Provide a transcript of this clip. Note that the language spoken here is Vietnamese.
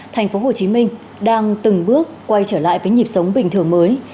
thành phố hồ chí minh đang từng bước quay trở lại với nhịp sống bình thường mới